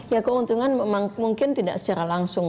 ya keuntungan memang mungkin tidak secara langsung